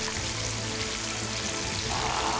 ああ。